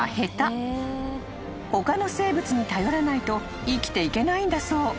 ［他の生物に頼らないと生きていけないんだそう］